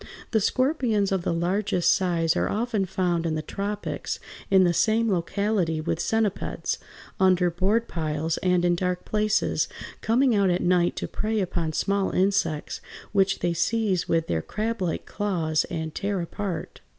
The scorpions of the largest size are often found in the tropics in the same locality with centipeds, under board piles and in dark places, coming out at night to prey upon small insects, which they seize with their crablike claws and tear apart.